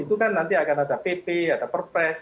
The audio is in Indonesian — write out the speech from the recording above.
itu kan nanti akan ada pp ada perpres